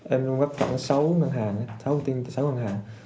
em cung cấp khoảng sáu ngân hàng sáu thông tin tại sáu ngân hàng